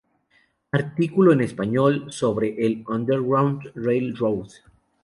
Artículo en español sobre el "Underground Railroad"